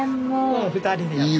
うん２人でやって。